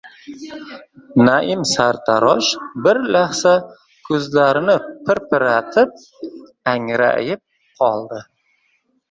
Naim sartarosh bir lahza ko‘zlarini pirpiratib angrayib qoldi.